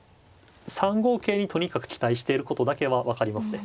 ３五桂にとにかく期待していることだけは分かりますね。